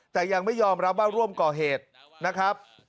แต่ยังไม่ยอมรับว่าร่วมก่อเหตุนะครับ